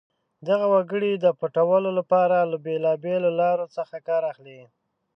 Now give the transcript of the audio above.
دغه وګړي د پټولو لپاره له بېلابېلو لارو څخه کار اخلي.